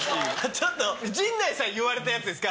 ちょっと陣内さん言われたやつですか？